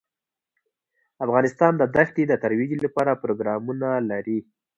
افغانستان د ښتې د ترویج لپاره پروګرامونه لري.